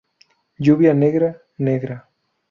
Lluvia negra, negra.